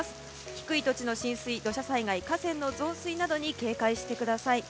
低い土地の浸水、土砂災害河川の増水などに警戒してください。